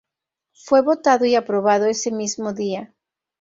Fue votado y aprobado ese mismo día.